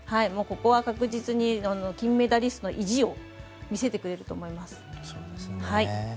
ここは確実に金メダリストの意地を見せてくれると思います。